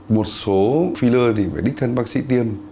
một số filler thì phải đích thân bác sĩ tiêm